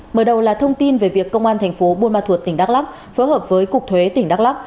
mở đầu là thông tin về việc công an thành phố buôn ma thuột tỉnh đắk lắk phối hợp với cục thuế tỉnh đắk lắc